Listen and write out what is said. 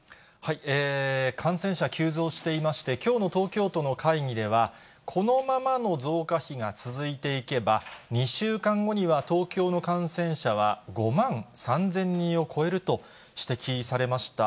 感染者急増していまして、きょうの東京都の会議では、このままの増加比が続いていけば、２週間後には東京の感染者は５万３０００人を超えると指摘されました。